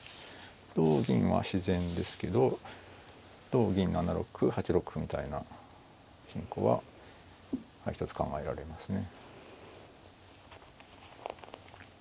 同銀は自然ですけど同銀７六歩８六歩みたいな進行は一つ考えられますね。